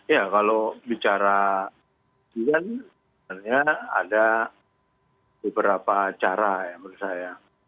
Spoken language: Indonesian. ya kalau bicara sebenarnya ada beberapa cara ya menurut saya